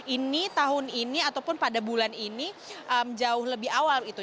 ini tahun ini ataupun pada bulan ini jauh lebih awal gitu